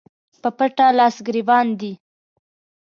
په پټه لاس ګرېوان دي